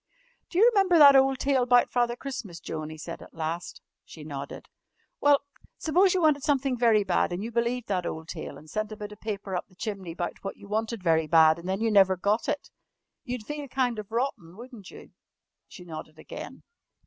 "Do you remember that ole tale 'bout Father Christmas, Joan?" he said at last. She nodded. "Well, s'pose you wanted somethin' very bad, an' you believed that ole tale and sent a bit of paper up the chimney 'bout what you wanted very bad and then you never got it, you'd feel kind of rotten, wouldn't you?" She nodded again.